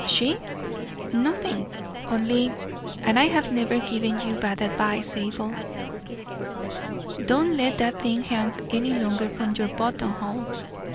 "She? Nothing. Only and I have never given you bad advice, Abel don't let that thing hang any longer from your buttonhole.